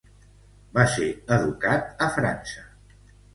Va ser educat a França.